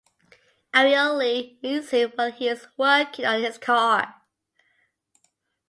Arielle meets him while he is working on his car.